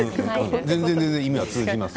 全然意味は通じます。